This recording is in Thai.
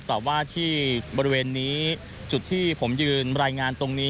แต่ว่าที่บริเวณนี้จุดที่ผมยืนรายงานตรงนี้